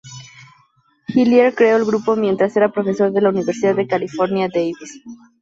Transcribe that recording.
Hillier creó el grupo mientras era profesor en la Universidad de California, Davis.